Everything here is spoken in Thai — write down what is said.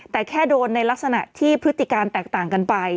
แต่แค่โดนในลักษณะที่พฤติการแตกต่างกันไป